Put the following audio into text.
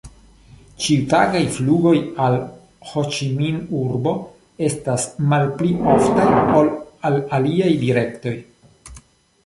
Ĉiutagaj flugoj al Ho-Ĉi-Min-urbo estas malpli oftaj ol al aliaj direktoj.